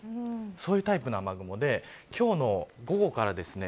そういうタイプの雨雲で今日の午後からですね